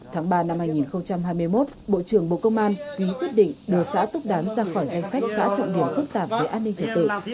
tháng ba năm hai nghìn hai mươi một bộ trưởng bộ công an ký quyết định đưa xã túc đám ra khỏi danh sách xã trọng điểm phức tạp về an ninh trật tự